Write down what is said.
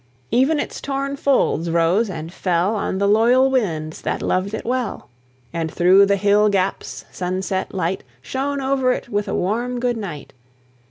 Even its torn folds rose and fell On the loyal winds that loved it well; And through the hill gaps sunset light Shone over it with a warm good night.